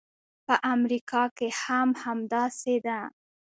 په امریکا کې هم همداسې ده.